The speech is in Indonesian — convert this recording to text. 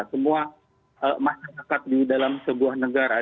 semua masyarakat di dalam sebuah negara